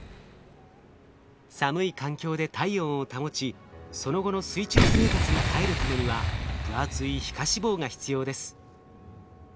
寒い環境で体温を保ちその後の水中生活に耐えるためには分厚い皮下脂肪が必要です。